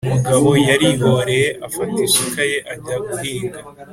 umugabo yarihoreye afata isuka ye ajya guhinga